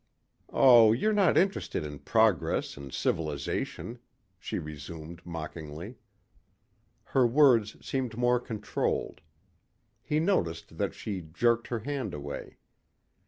"Oh, you're not interested in progress and civilization," she resumed mockingly. Her words seemed more controlled. He noticed that she jerked her hand away.